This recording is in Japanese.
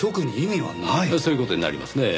そういう事になりますねぇ。